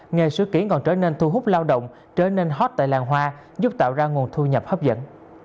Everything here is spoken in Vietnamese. nghề sửa kỹ còn trở nên thu hút lao động trở nên hot tại làng hoa giúp tạo ra nguồn thu nhập hấp dẫn